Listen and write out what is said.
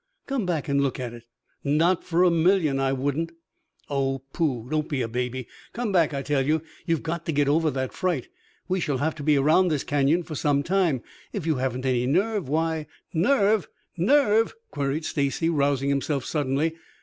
"Come back and look at it." "Not for a million, I wouldn't." "Oh, pooh! Don't be a baby. Come back, I tell you. You've got to get over that fright. We shall have to be around this canyon for some time. If you haven't any nerve, why " "Nerve? Nerve?" queried Stacy, rousing himself suddenly.